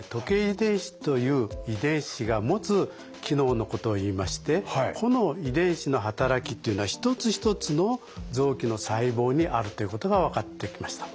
遺伝子という遺伝子が持つ機能のことをいいましてこの遺伝子の働きというのはひとつひとつの臓器の細胞にあるということが分かってきました。